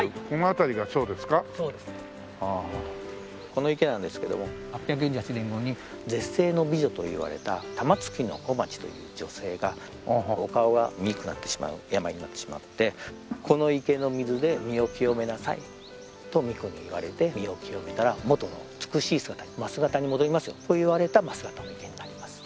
この池なんですけども８４８年頃に絶世の美女といわれた玉造小町という女性がお顔が醜くなってしまう病になってしまってこの池の水で身を清めなさいと巫女に言われて身を清めたら元の美しい姿に真姿に戻りますよと言われた真姿の池になります。